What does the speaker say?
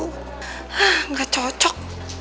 hah nggak cocok